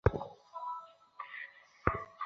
এটা আমার নিয়মিত সময়।